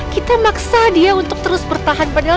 kita maksa dia untuk terus bertahan padahal